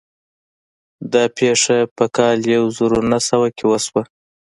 دا پېښه په کال يو زر و نهه سوه کې وشوه.